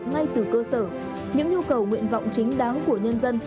ngay từ cơ sở những nhu cầu nguyện vọng chính đáng của nhân dân